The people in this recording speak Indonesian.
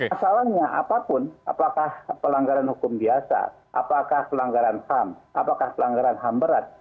asalnya apapun apakah pelanggaran hukum biasa apakah pelanggaran ham apakah pelanggaran ham berat